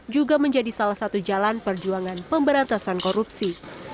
juga menjadi salah satu jalan perjuangan pemberantasan korupsi